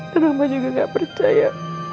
dan mama juga gak percaya